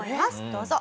どうぞ。